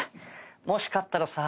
もし勝ったらさ。